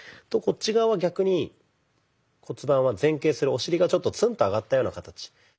こっち側は逆に骨盤は前傾するお尻がちょっとツンと上がったような形。